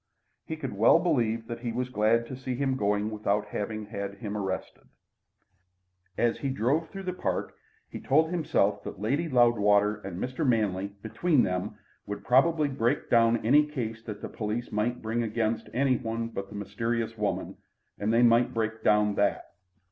He could well believe that he was glad to see him going without having had him arrested. As he drove through the park he told himself that Lady Loudwater and Mr. Manley between them would probably break down any case the police might bring against any one but the mysterious woman, and they might break down that.